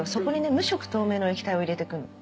無色透明の液体を入れてくの。